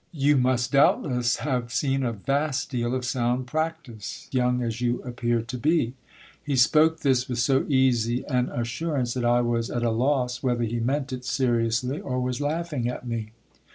You must doubtless have seen a vast deal of sound practice, young as you appear to be. He spoke this with so easy an assurance, that I was at a loss whether he meant it seriously, or was laughing at me.